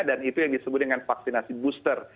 dan itu yang disebut dengan vaksinasi booster